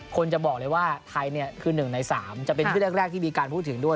คนจะบอกเลยว่าไทยเนี่ยคือ๑ใน๓จะเป็นที่แรกที่มีการพูดถึงด้วย